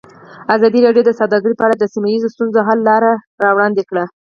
ازادي راډیو د سوداګري په اړه د سیمه ییزو ستونزو حل لارې راوړاندې کړې.